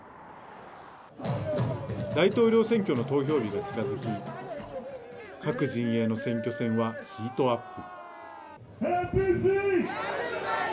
大統領選挙の投票日が近づき各陣営の選挙戦はヒートアップ。